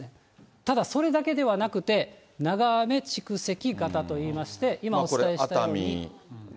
ただ、それだけではなくて、長雨蓄積型といいまして、今、お伝えしたように。